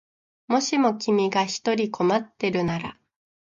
もしも君が一人困ってるなら